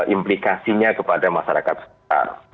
implikasinya kepada masyarakat sekitar